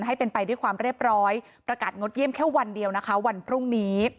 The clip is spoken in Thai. ให้เป็นไปด้วยความเรียบร้อยประกาศงดเยี่ยมแค่วันเดียวนะคะวันพรุ่งนี้